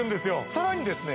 さらにですね